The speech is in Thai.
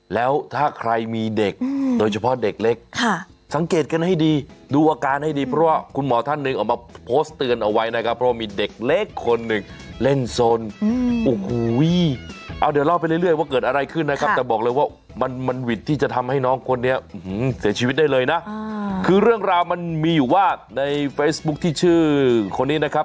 แล้วถ้าใครมีเด็กโดยเฉพาะเด็กเล็กสังเกตกันให้ดีดูอาการให้ดีเพราะว่าคุณหมอท่านหนึ่งออกมาโพสต์เตือนเอาไว้นะครับเพราะว่ามีเด็กเล็กคนหนึ่งเล่นสนโอ้โหเอาเดี๋ยวเล่าไปเรื่อยว่าเกิดอะไรขึ้นนะครับแต่บอกเลยว่ามันมันหวิดที่จะทำให้น้องคนนี้เสียชีวิตได้เลยนะคือเรื่องราวมันมีอยู่ว่าในเฟซบุ๊คที่ชื่อคนนี้นะครับ